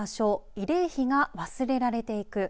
慰霊碑が忘れられていく。